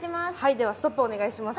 ではストップをお願いします。